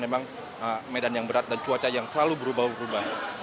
memang medan yang berat dan cuaca yang selalu berubah berubah